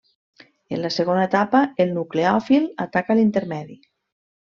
En la segona etapa, el nucleòfil ataca l'intermedi.